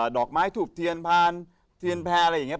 ดอกไม้ถูกเทียนพานเทียนแพรอะไรอย่างนี้